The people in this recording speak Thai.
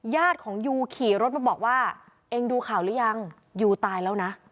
ญาติของยูขี่รถมาบอกว่าเองดูข่าวหรือยังยูตายแล้วนะ